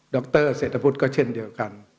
ดรเสธพุทธก็เช่นเดียวกัน